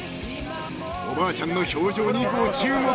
［おばあちゃんの表情にご注目］